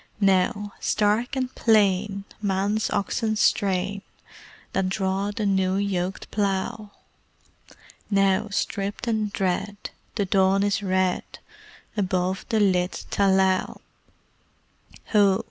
Now, stark and plain, Man's oxen strain, That draw the new yoked plough; Now, stripped and dread, the dawn is red Above the lit talao. Ho!